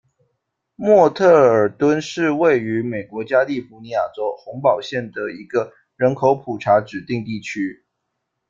默特尔敦是位于美国加利福尼亚州洪堡县的一个人口普查指定地区。